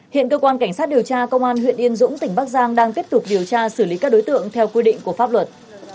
hiện cơ quan cảnh sát điều tra công an huyện yên dũng tỉnh bắc giang đang tiếp tục điều tra xử lý các đối tượng theo quy định của pháp luật